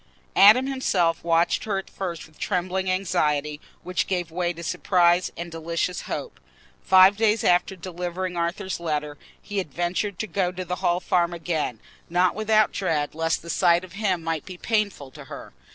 Adam himself watched her at first with trembling anxiety, which gave way to surprise and delicious hope. Five days after delivering Arthur's letter, he had ventured to go to the Hall Farm again—not without dread lest the sight of him might be painful to her.